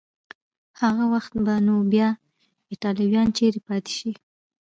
هغه وخت به نو بیا ایټالویان چیري پاتې شي؟